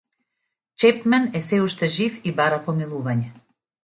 Чепмен е сѐ уште жив и бара помилување.